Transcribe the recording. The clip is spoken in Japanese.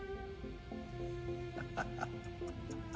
ハハハハ。